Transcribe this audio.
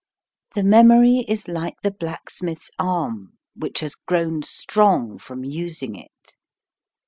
The memory is like the blacksmith's arm, which has grown strong from us ing it.